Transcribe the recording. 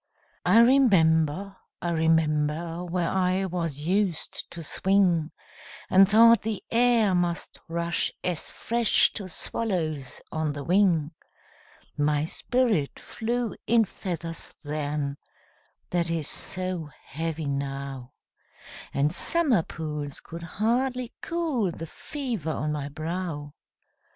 I remember, I remember, Where I was used to swing, And thought the air must rush as fresh To swallows on the wing; My spirit flew in feathers then, That is so heavy now, And summer pools could hardly cool The fever on my brow!